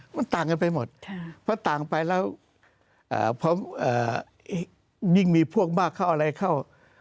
มันต่างกันไปหมดเพราะต่างไปแล้วพอยิ่งมีพวกมากเข้าอะไรเข้า